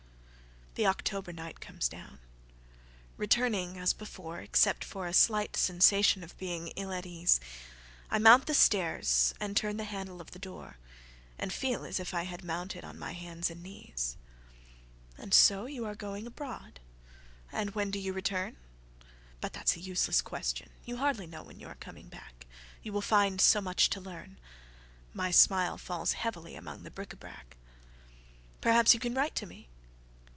IIIThe October night comes down; returning as beforeExcept for a slight sensation of being ill at easeI mount the stairs and turn the handle of the doorAnd feel as if I had mounted on my hands and knees."And so you are going abroad; and when do you return? But that's a useless question. You hardly know when you are coming back, You will find so much to learn."My smile falls heavily among the bric à brac."Perhaps you can write to me."